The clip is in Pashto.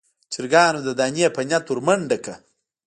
چرګانو د دانې په نيت ور منډه کړه.